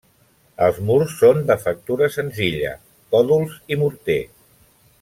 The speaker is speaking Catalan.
Els murs són de factura senzilla, còdols i morter.